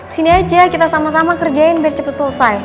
sini aja kita sama sama kerjain biar cepet selesai